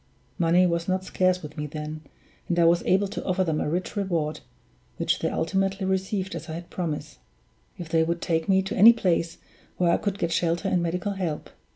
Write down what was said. Money was not scarce with me then, and I was able to offer them a rich reward (which they ultimately received as I had promised) if they would take me to any place where I could get shelter and medical help.